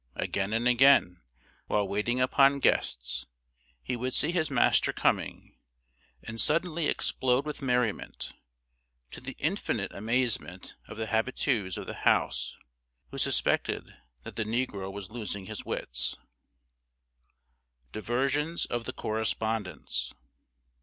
Again and again, while waiting upon guests, he would see his master coming, and suddenly explode with merriment, to the infinite amazement of the habitués of the house, who suspected that the negro was losing his wits. [Sidenote: DIVERSIONS OF THE CORRESPONDENTS.